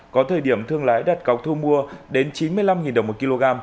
có thời điểm thương lái đặt cọc thu mua đến chín mươi năm đồng một kg